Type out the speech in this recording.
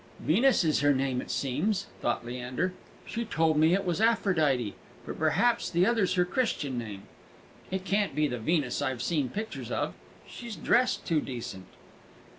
"Venus is her name, it seems," thought Leander. "She told me it was Aphrodite. But perhaps the other's her Christian name. It can't be the Venus I've seen pictures of she's dressed too decent."